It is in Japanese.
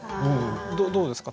どうですか？